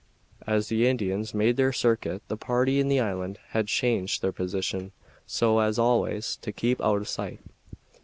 As the Indians made their circuit the party in the island had changed their position so as always to keep out of sight.